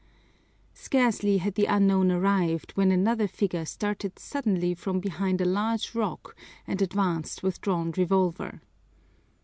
Scarcely had the unknown arrived when another figure started suddenly from behind a large rock and advanced with drawn revolver.